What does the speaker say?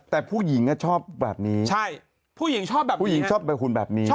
แต่ผู้หญิงชอบแบบนี้ใช่ผู้หญิงชอบแบบนี้ผู้หญิงชอบแบบหุ่นแบบนี้